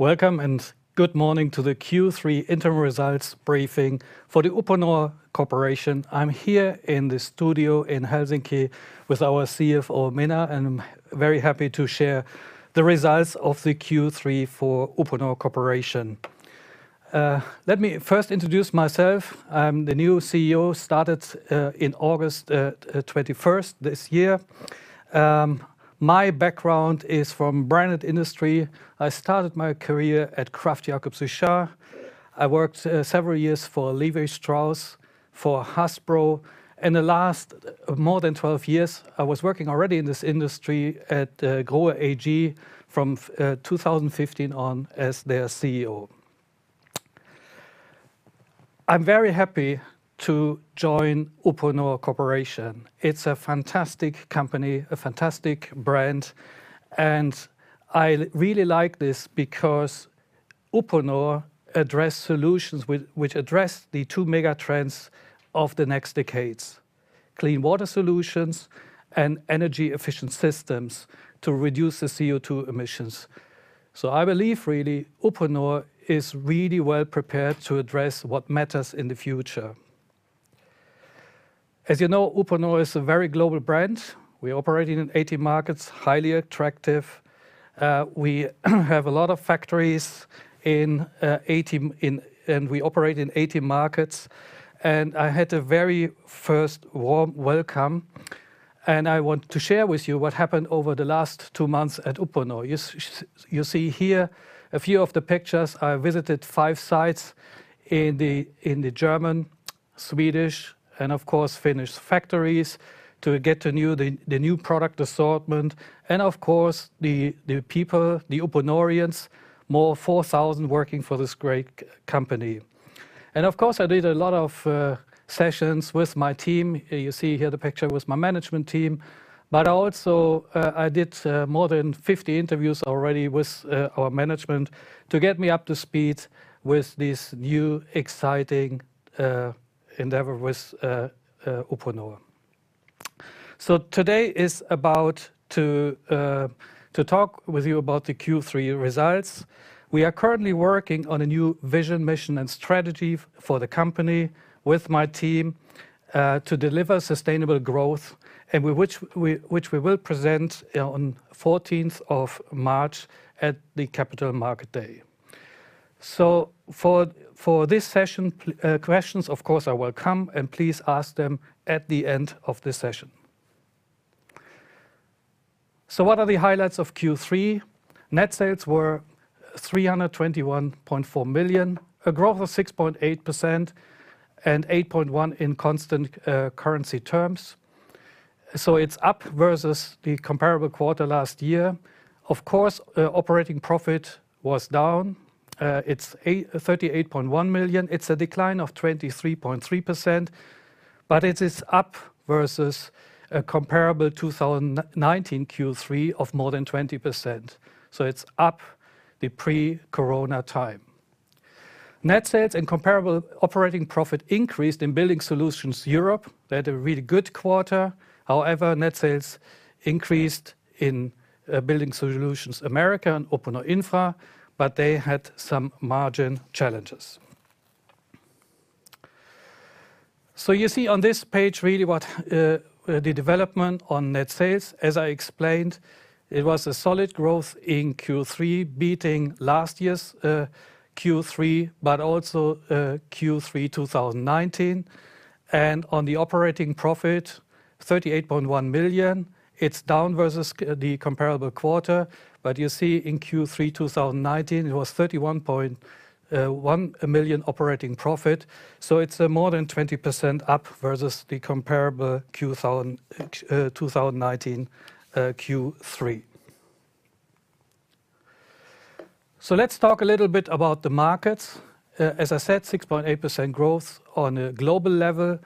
Welcome and good morning to the Q3 interim results briefing for the Uponor Corporation. I'm here in the studio in Helsinki with our CFO, Minna, and I'm very happy to share the results of the Q3 for Uponor Corporation. Let me first introduce myself. I'm the new CEO, started in August 2021 this year. My background is from branded industry. I started my career at Kraft Jacobs Suchard. I worked several years for Levi Strauss, for Hasbro. In the last more than 12 years, I was working already in this industry at Grohe AG from 2015 on as their CEO. I'm very happy to join Uponor Corporation. It's a fantastic company, a fantastic brand, and I really like this because Uponor addresses solutions which address the two mega trends of the next decades, clean water solutions and energy efficient systems to reduce the CO2 emissions. I believe really Uponor is really well prepared to address what matters in the future. As you know, Uponor is a very global brand. We operate in 80 markets, highly attractive. We have a lot of factories, and we operate in 80 markets. I had a very first warm welcome, and I want to share with you what happened over the last two months at Uponor. You see here a few of the pictures. I visited five sites in the German, Swedish, and of course, Finnish factories to get to know the new product assortment and of course the people, the Uponorians, more than 4,000 working for this great company. I did a lot of sessions with my team. You see here the picture with my management team. I also did more than 50 interviews already with our management to get me up to speed with this new exciting endeavor with Uponor. Today is about to talk with you about the Q3 results. We are currently working on a new vision, mission and strategy for the company with my team to deliver sustainable growth and with which we will present on fourteenth of March at the Capital Markets Day. This session, questions of course are welcome, and please ask them at the end of the session. What are the highlights of Q3? Net sales were 321.4 million, a growth of 6.8% and 8.1% in constant currency terms. It's up versus the comparable quarter last year. Of course, operating profit was down. It's 38.1 million. It's a decline of 23.3%, but it is up versus a comparable 2019 Q3 of more than 20%. It's up the pre-corona time. Net sales and comparable operating profit increased in Building Solutions Europe. They had a really good quarter. However, net sales increased in Building Solutions North America and Uponor Infra, but they had some margin challenges. You see on this page really what the development on net sales. As I explained, it was a solid growth in Q3, beating last year's Q3, but also Q3 2019. On the operating profit, 38.1 million, it's down versus the comparable quarter. You see in Q3 2019 it was 31.1 million operating profit. It's more than 20% up versus the comparable 2019 Q3. Let's talk a little bit about the markets. As I said, 6.8% growth on a global level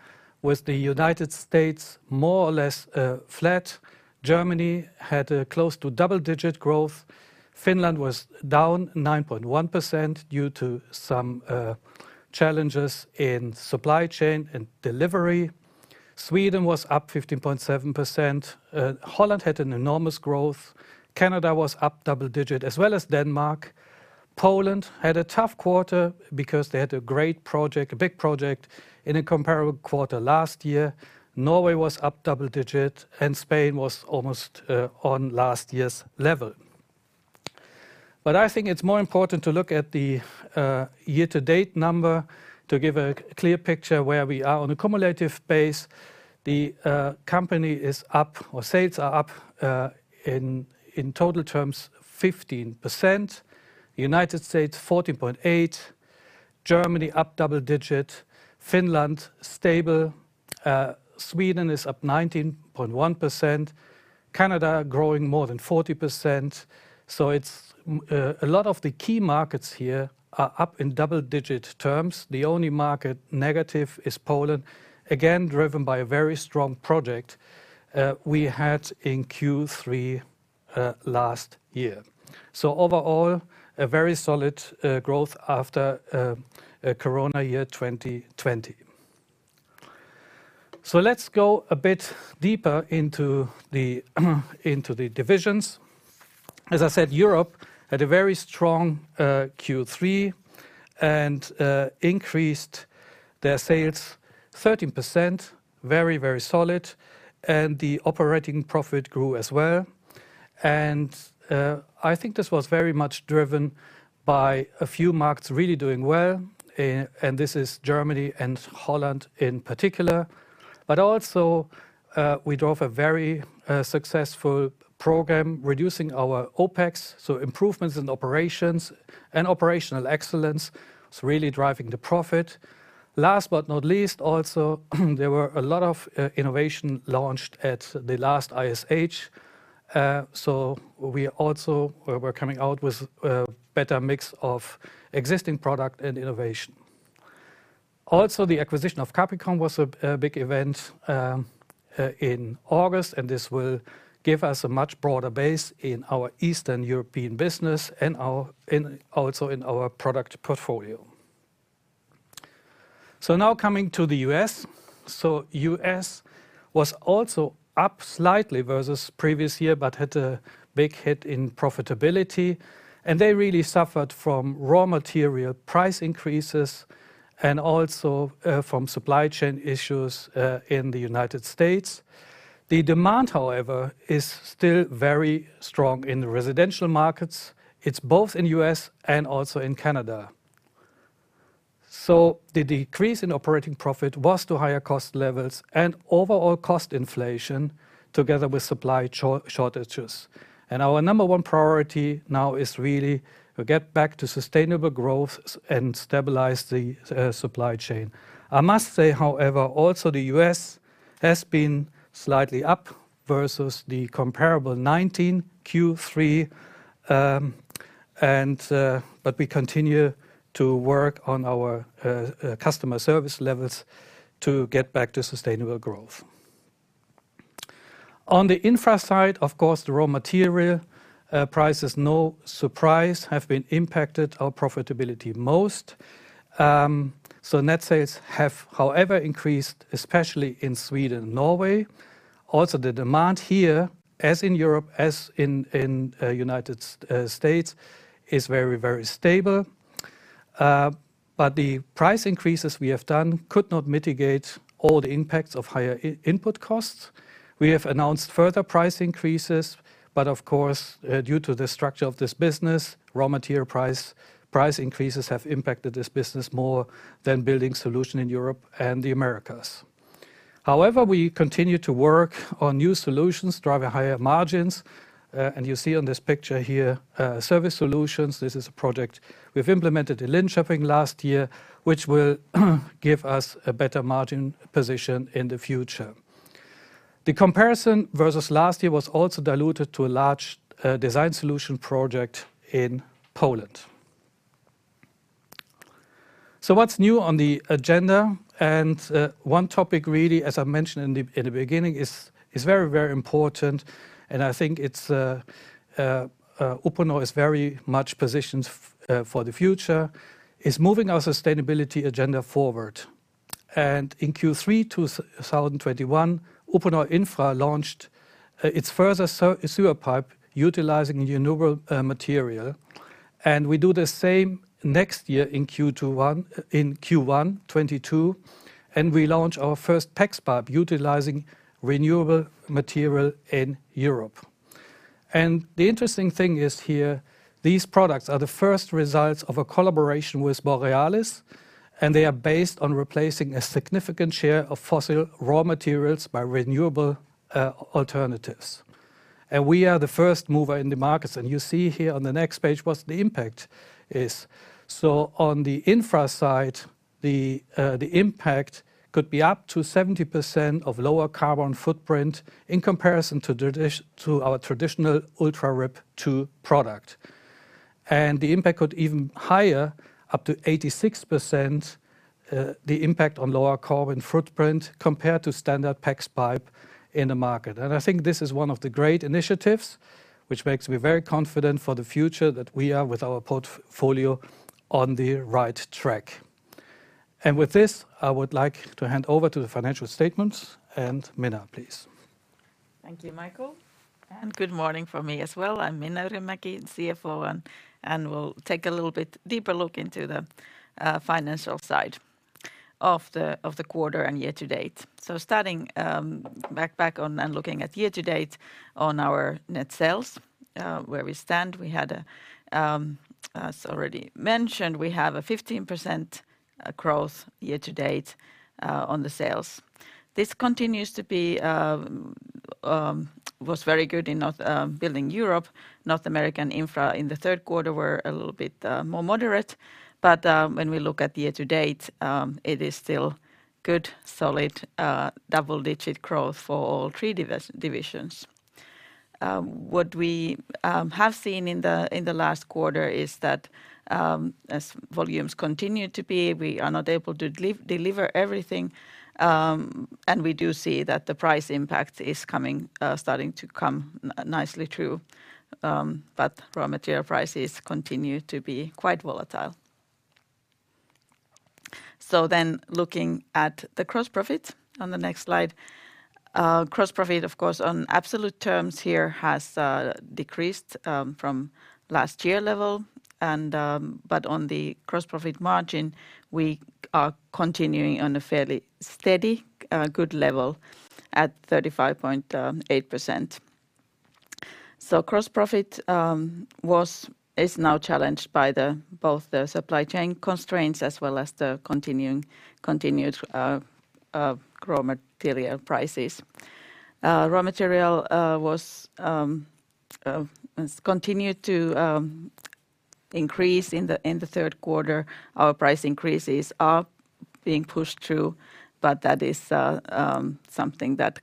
with the United States more or less flat. Germany had a close to double-digit growth. Finland was down 9.1% due to some challenges in supply chain and delivery. Sweden was up 15.7%. Holland had an enormous growth. Canada was up double-digit, as well as Denmark. Poland had a tough quarter because they had a great project, a big project in a comparable quarter last year. Norway was up double-digit and Spain was almost on last year's level. But I think it's more important to look at the year-to-date number to give a clear picture where we are. On a cumulative base, the company is up, or sales are up, in total terms 15%. United States, 14.8%. Germany up double-digit. Finland stable. Sweden is up 19.1%. Canada growing more than 40%. A lot of the key markets here are up in double-digit terms. The only market negative is Poland, again driven by a very strong project we had in Q3 last year. Overall, a very solid growth after a corona year, 2020. Let's go a bit deeper into the divisions. As I said, Europe had a very strong Q3 and increased their sales 13%, very, very solid, and the operating profit grew as well. I think this was very much driven by a few markets really doing well, and this is Germany and Holland in particular. We drove a very successful program reducing our OpEx, so improvements in operations and operational excellence is really driving the profit. Last but not least, also there were a lot of innovation launched at the last ISH, so we're coming out with a better mix of existing product and innovation. Also, the acquisition of Capricorn was a big event in August, and this will give us a much broader base in our Eastern European business and also in our product portfolio. Now coming to the US US was also up slightly versus previous year, but had a big hit in profitability. They really suffered from raw material price increases and also from supply chain issues in the United States. The demand, however, is still very strong in the residential markets. It's both in US and also in Canada. The decrease in operating profit was due to higher cost levels and overall cost inflation together with supply shortages. Our number one priority now is really to get back to sustainable growth and stabilize the supply chain. I must say, however, also the US has been slightly up versus the comparable 2019 Q3, but we continue to work on our customer service levels to get back to sustainable growth. On the Infra side, of course, the raw material prices, no surprise, have impacted our profitability most. Net sales have, however, increased, especially in Sweden and Norway. Also, the demand here, as in Europe, as in United States, is very, very stable. But the price increases we have done could not mitigate all the impacts of higher input costs. We have announced further price increases, but of course, due to the structure of this business, raw material price increases have impacted this business more than Building Solutions in Europe and the Americas. However, we continue to work on new solutions, drive higher margins, and you see on this picture here, service solutions. This is a project we've implemented in Linköping last year, which will give us a better margin position in the future. The comparison versus last year was also diluted to a large design solution project in Poland. What's new on the agenda? One topic really, as I mentioned in the beginning, is very important, and I think it's Uponor is very much positioned for the future, is moving our sustainability agenda forward. In Q3 2021, Uponor Infra launched its first sewer pipe utilizing renewable material. We do the same next year in Q1 2022, and we launch our first PEX pipe utilizing renewable material in Europe. The interesting thing is here, these products are the first results of a collaboration with Borealis, and they are based on replacing a significant share of fossil raw materials by renewable alternatives. We are the first mover in the markets, and you see here on the next page what the impact is. On the Infra side, the impact could be up to 70% lower carbon footprint in comparison to our traditional UltraRib 2 product. The impact could even higher, up to 86%, the impact on lower carbon footprint compared to standard PEX pipe in the market. I think this is one of the great initiatives which makes me very confident for the future that we are, with our portfolio, on the right track. With this, I would like to hand over to the financial statements, and Minna, please. Thank you, Michael. Good morning from me as well. I'm Minna Yrjönmäki, CFO, and we'll take a little bit deeper look into the financial side of the quarter and year to date. Starting back and looking at year to date on our net sales where we stand, as already mentioned, we have a 15% growth year to date on the sales. This continues to be very good in North Building Europe. North American Infra in the third quarter were a little bit more moderate. When we look at year to date, it is still good, solid double-digit growth for all three divisions. What we have seen in the last quarter is that as volumes continue to be, we are not able to deliver everything, and we do see that the price impact is coming, starting to come nicely through, but raw material prices continue to be quite volatile. Looking at the gross profit on the next slide. Gross profit, of course, on absolute terms here has decreased from last year level and but on the gross profit margin, we are continuing on a fairly steady good level at 35.8%. Gross profit is now challenged by both the supply chain constraints as well as the continued raw material prices. Raw material has continued to increase in the third quarter. Our price increases are being pushed through, but that is something that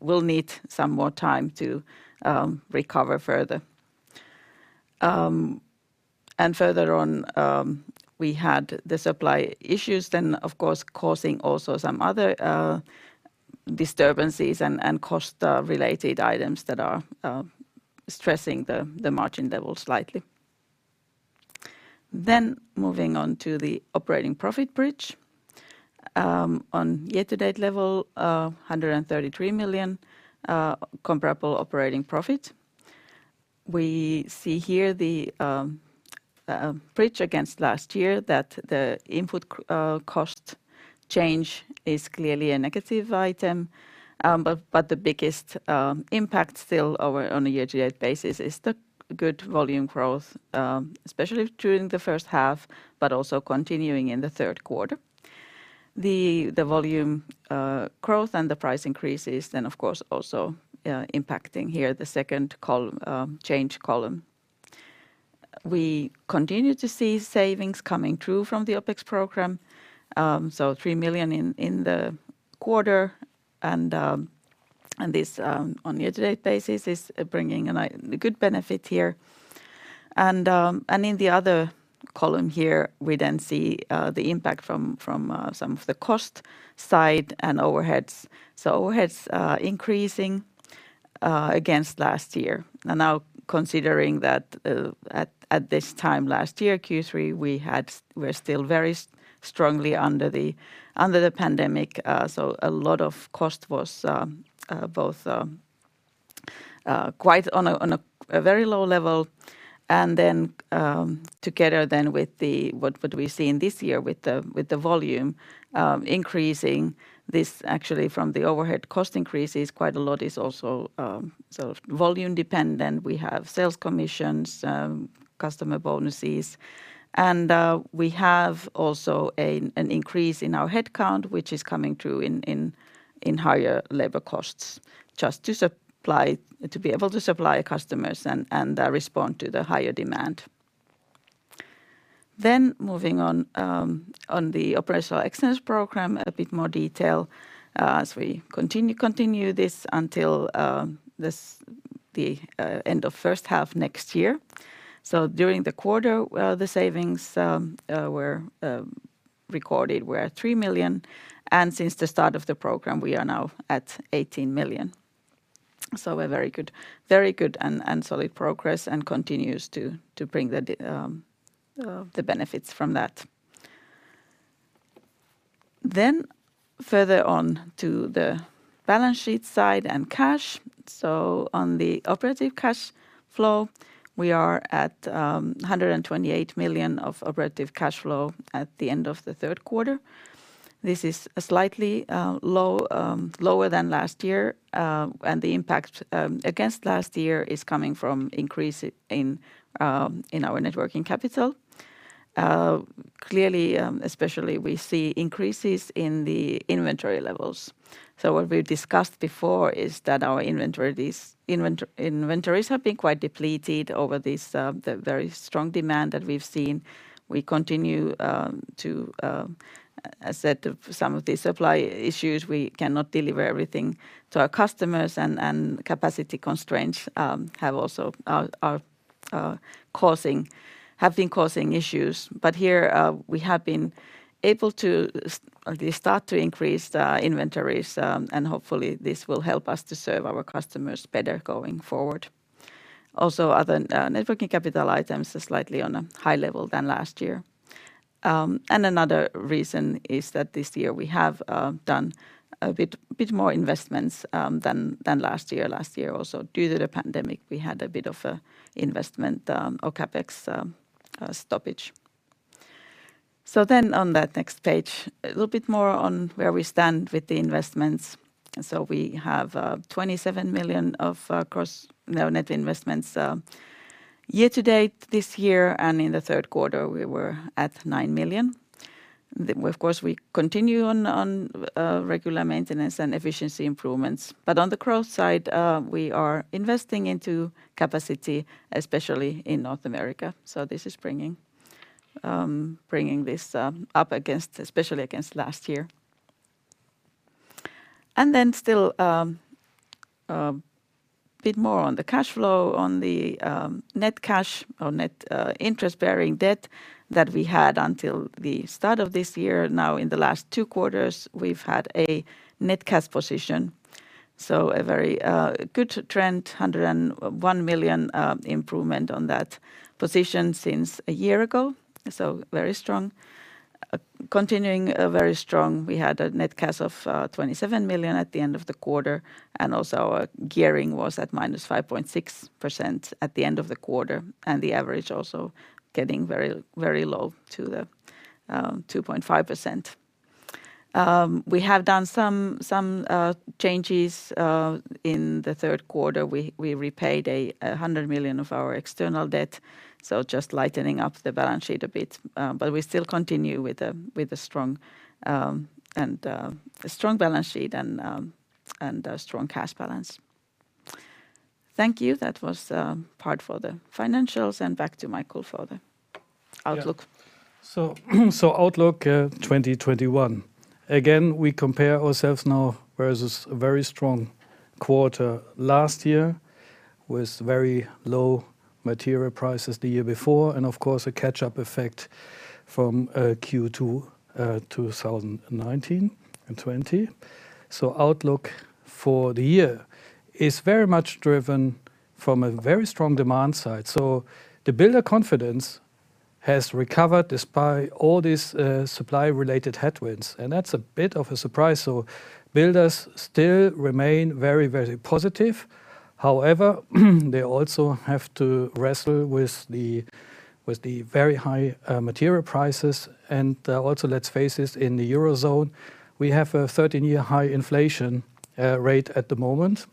will need some more time to recover further. Further on, we had the supply issues then, of course, causing also some other disturbances and cost related items that are stressing the margin level slightly. Moving on to the operating profit bridge. On year-to-date level, 133 million comparable operating profit. We see here the bridge against last year that the input cost change is clearly a negative item. The biggest impact still over on a year-to-date basis is the good volume growth, especially during the first half, but also continuing in the third quarter. The volume growth and the price increases then, of course, also impacting here the second change column. We continue to see savings coming through from the OpEx program, so 3 million in the quarter and this on year-to-date basis is bringing a good benefit here. In the other column here, we then see the impact from some of the cost side and overheads. Overheads increasing against last year. Now considering that, at this time last year, Q3, we were still very strongly under the pandemic, so a lot of cost was both quite on a very low level and then together with what we've seen this year with the volume increasing, this actually from the overhead cost increases quite a lot is also sort of volume dependent. We have sales commissions, customer bonuses, and we have also an increase in our headcount, which is coming through in higher labor costs, just to supply, to be able to supply customers and respond to the higher demand. Moving on to the Operational Excellence Programme, a bit more detail, as we continue this until the end of first half next year. During the quarter, the savings were recorded 3 million, and since the start of the program, we are now at 18 million. A very good and solid progress and continues to bring the benefits from that. Further on to the balance sheet side and cash. On the operative cash flow, we are at 128 million of operative cash flow at the end of the third quarter. This is slightly lower than last year, and the impact against last year is coming from increase in our net working capital. Clearly, especially we see increases in the inventory levels. What we discussed before is that our inventories have been quite depleted over this, the very strong demand that we've seen. We continue to, as said for some of the supply issues, we cannot deliver everything to our customers and capacity constraints have also been causing issues. Here, we have been able to start to increase the inventories, and hopefully this will help us to serve our customers better going forward. Also, other net working capital items are slightly on a high level than last year. Another reason is that this year we have done a bit more investments than last year. Last year also, due to the pandemic, we had a bit of a investment or CapEx stoppage. On that next page, a little bit more on where we stand with the investments. We have 27 million of net investments year to date this year, and in the third quarter, we were at 9 million. Of course, we continue on regular maintenance and efficiency improvements. On the growth side, we are investing into capacity, especially in North America. This is bringing this up against, especially against last year. Still, a bit more on the cash flow, on the net cash or net interest-bearing debt that we had until the start of this year. Now, in the last two quarters, we've had a net cash position, so a very good trend, 101 million improvement on that position since a year ago, so very strong. Continuing very strong. We had a net cash of 27 million at the end of the quarter, and also our gearing was at -5.6% at the end of the quarter, and the average also getting very, very low to the 2.5%. We have done some changes in the third quarter. We repaid 100 million of our external debt, so just lightening up the balance sheet a bit. We still continue with a strong and a strong balance sheet and a strong cash balance. Thank you. That was the part for the financials and back to Michael for the outlook. Yeah. Outlook 2021. Again, we compare ourselves now versus a very strong quarter last year with very low material prices the year before and, of course, a catch-up effect from Q2 2019 and 2020. Outlook for the year is very much driven from a very strong demand side. The builder confidence has recovered despite all these supply-related headwinds, and that's a bit of a surprise. Builders still remain very, very positive. However, they also have to wrestle with the very high material prices and also, let's face it, in the Eurozone, we have a 13-year high inflation rate at the moment.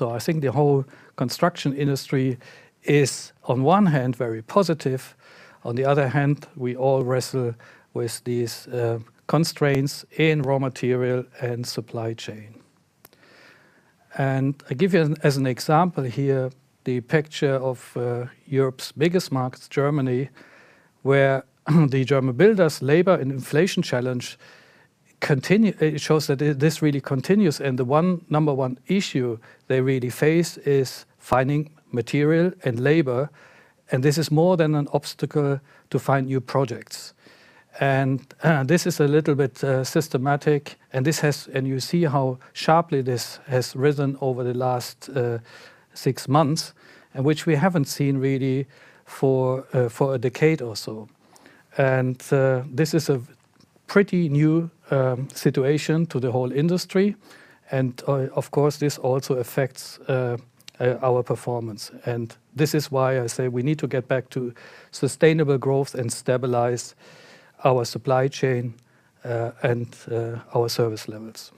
I think the whole construction industry is, on one hand, very positive. On the other hand, we all wrestle with these constraints in raw material and supply chain. I give you, as an example here, the picture of Europe's biggest market, Germany, where the German builders labor and inflation challenge continue. It shows that this really continues, and the number one issue they really face is finding material and labor, and this is more than an obstacle to find new projects. This is a little bit systematic, and you see how sharply this has risen over the last six months, which we haven't seen really for a decade or so. This is a pretty new situation to the whole industry. Of course, this also affects our performance. This is why I say we need to get back to sustainable growth and stabilize our supply chain and our service levels.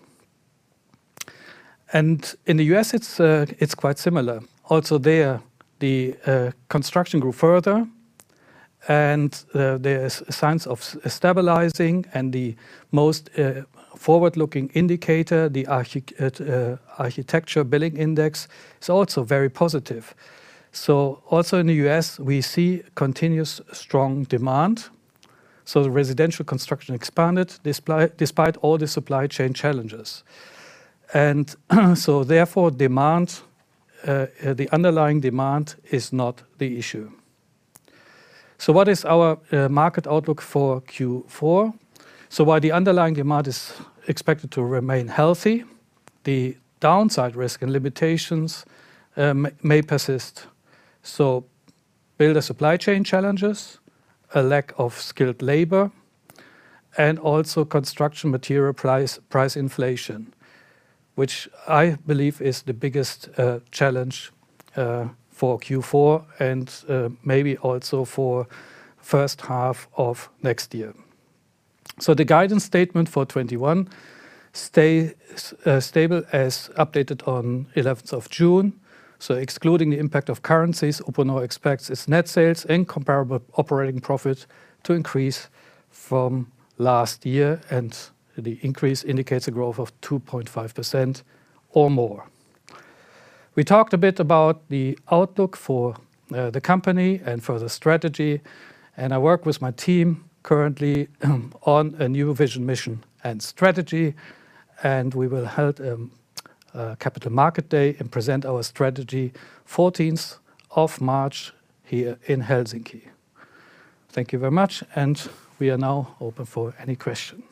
In the US It's quite similar. Also there, the construction grew further, and there are signs of stabilizing and the most forward-looking indicator, the architecture billing index is also very positive. Also in the US, we see continuous strong demand. The residential construction expanded despite all the supply chain challenges. Therefore demand, the underlying demand is not the issue. What is our market outlook for Q4? While the underlying demand is expected to remain healthy, the downside risk and limitations may persist. Builder supply chain challenges, a lack of skilled labor, and also construction material price inflation, which I believe is the biggest challenge for Q4 and maybe also for first half of next year. The guidance statement for 2021 stays stable as updated June 11th, excluding the impact of currencies, Uponor expects its net sales and comparable operating profit to increase from last year, and the increase indicates a growth of 2.5% or more. We talked a bit about the outlook for the company and for the strategy, and I work with my team currently on a new vision, mission, and strategy, and we will hold a Capital Markets Day and present our strategy 14th of March here in Helsinki. Thank you very much, and we are now open for any question.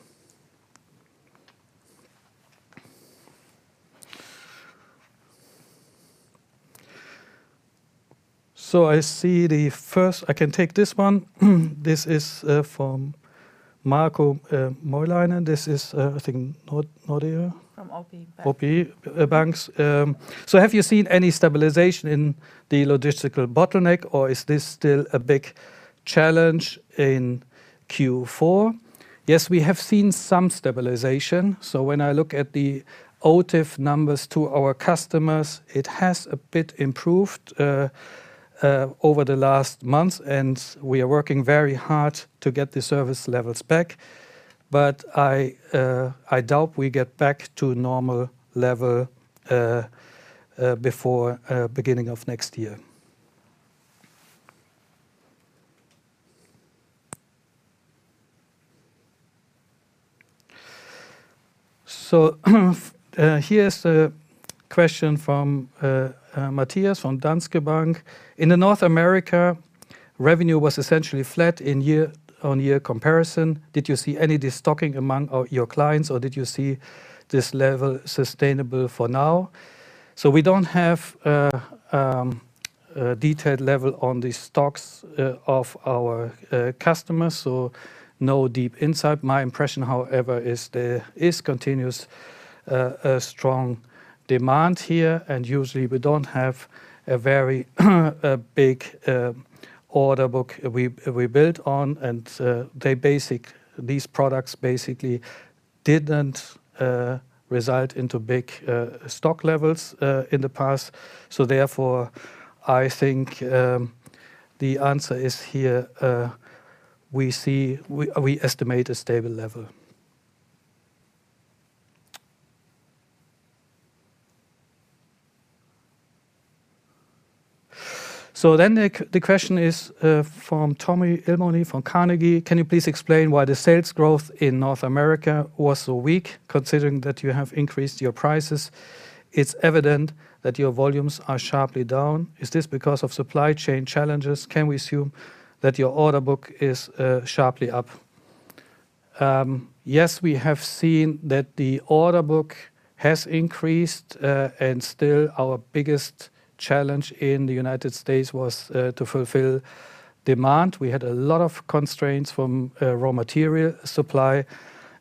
I see the first. I can take this one. This is from Markku Moilanen, and this is, I think, Nordea? From OP. OP Banks. Have you seen any stabilization in the logistical bottleneck, or is this still a big challenge in Q4? Yes, we have seen some stabilization. When I look at the OTIF numbers to our customers, it has a bit improved over the last month, and we are working very hard to get the service levels back. I doubt we get back to normal level before beginning of next year. Here is a question from Mattias from Danske Bank. In North America, revenue was essentially flat in year-on-year comparison. Did you see any de-stocking among your clients, or did you see this level sustainable for now? We don't have detailed level on the stocks of our customers, so no deep insight. My impression, however, is there is continuous strong demand here, and usually we don't have a very big order book we build on. These products basically didn't result into big stock levels in the past. Therefore, I think the answer is here, we estimate a stable level. The question is from Tommy Ilmoni from Carnegie: Can you please explain why the sales growth in North America was so weak considering that you have increased your prices? It's evident that your volumes are sharply down. Is this because of supply chain challenges? Can we assume that your order book is sharply up? Yes, we have seen that the order book has increased. Still our biggest challenge in the United States was to fulfill demand. We had a lot of constraints from raw material supply,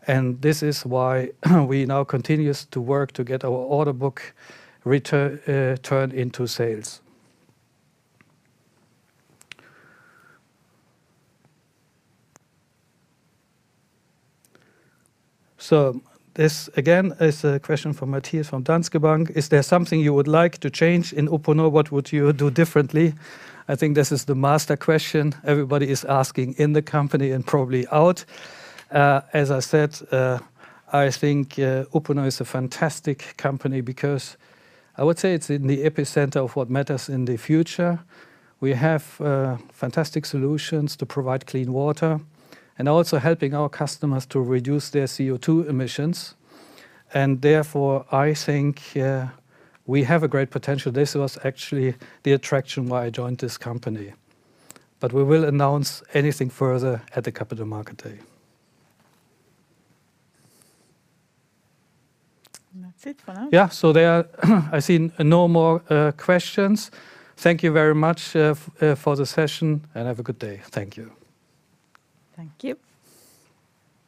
and this is why we now continue to work to get our order book turned into sales. This again is a question from Mattias from Danske Bank: Is there something you would like to change in Uponor? What would you do differently? I think this is the master question everybody is asking in the company and probably out. As I said, I think Uponor is a fantastic company because I would say it's in the epicenter of what matters in the future. We have fantastic solutions to provide clean water and also helping our customers to reduce their CO2 emissions. Therefore, I think we have a great potential. This was actually the attraction why I joined this company. We will announce anything further at the Capital Markets Day. That's it for now. Yeah. There are, I see, no more questions. Thank you very much for the session and have a good day. Thank you. Thank you.